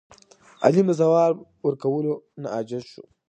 عالم د ځواب ورکولو نه عاجز شو.